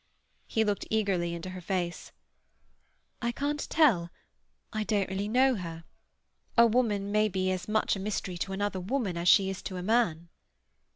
He looked eagerly into her face. "I can't tell. I don't really know her. A woman may be as much a mystery to another woman as she is to a man."